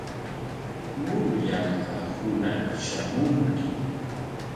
Muruyanqaa hunaq shamunki.